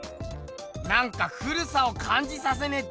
なんか古さをかんじさせねえ